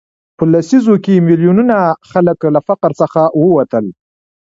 په لسیزو کې میلیونونه خلک له فقر څخه ووتل.